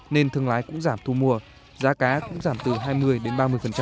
nên thương lái cũng giảm thu mua giá cá cũng giảm từ hai mươi đến ba mươi